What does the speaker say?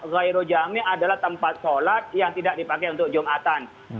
ghairu jami' adalah tempat sholat yang tidak dipakai untuk jum'atan